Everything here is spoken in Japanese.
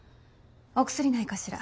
お薬ないかしら？